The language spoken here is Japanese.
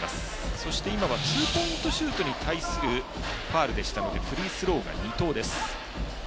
そして今は、ツーポイントに対するファウルでしたのでフリースローが２投です。